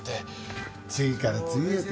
次から次へと。